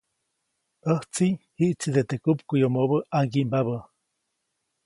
ʼÄjtsi jiʼtside teʼ kupkuʼyomobä ʼaŋgimbabä.